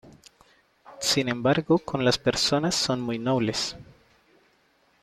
Sin embargo con las personas son muy nobles.